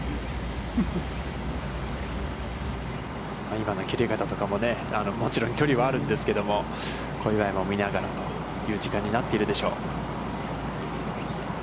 今の切れ方とかもね、もちろん距離はあるんですけども、小祝も見ながらという時間になっているでしょう。